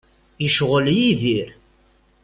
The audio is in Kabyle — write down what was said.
Icɣel Yidir.